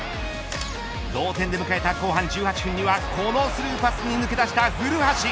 同点で迎えた後半１８分にはこのスルーパスに抜け出した古橋。